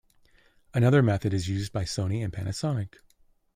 Another method is used by Sony and Panasonic.